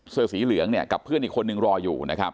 เสื้อสีเหลืองกับเพื่อนอีกคนหนึ่งรออยู่